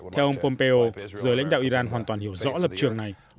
theo ông pompeo giới lãnh đạo iran hoàn toàn hiểu rõ lập trường này